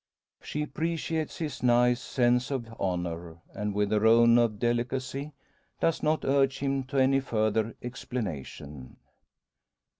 She appreciates his nice sense of honour; and, with her own of delicacy, does not urge him to any further explanation.